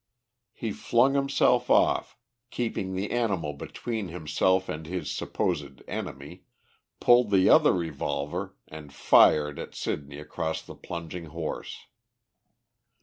He flung himself off, keeping the animal between himself and his supposed enemy, pulled the other revolver and fired at Sidney across the plunging horse.